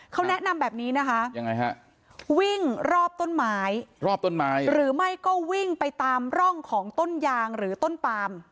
เขาแนะนำแบบนี้นะคะยังไงฮะวิ่งรอบต้นไม้รอบต้นไม้หรือไม่ก็วิ่งไปตามร่องของต้นยางหรือต้นปาม